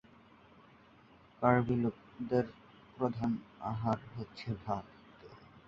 কার্বি লোকদের প্রধান আহার হচ্ছে ভাত।